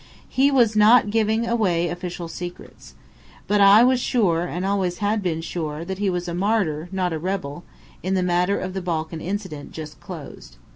He was not giving away official secrets, but I was sure and always had been sure that he was a martyr, not a rebel, in the matter of the Balkan incident, just closed.